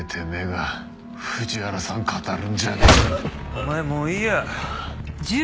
お前もういいや。